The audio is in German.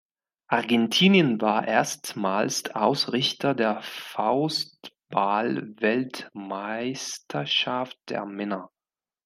Argentinien war erstmals Ausrichter der Faustball-Weltmeisterschaft der Männer.